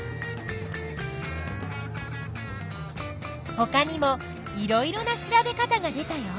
ほかにもいろいろな調べ方が出たよ。